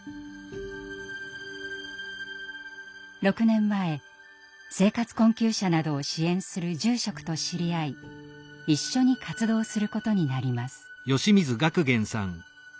６年前生活困窮者などを支援する住職と知り合い一緒に活動することになります。